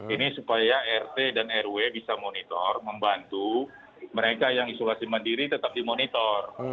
ini supaya rt dan rw bisa monitor membantu mereka yang isolasi mandiri tetap dimonitor